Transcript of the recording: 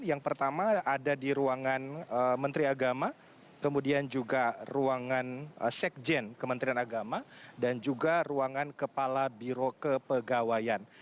yang pertama ada di ruangan menteri agama kemudian juga ruangan sekjen kementerian agama dan juga ruangan kepala biro kepegawaian